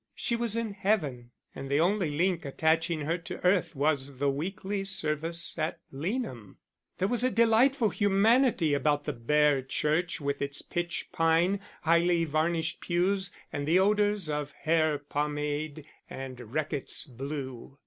She was in heaven, and the only link attaching her to earth was the weekly service at Leanham. There was a delightful humanity about the bare church with its pitch pine, highly varnished pews, and the odours of hair pomade and Reckitt's Blue.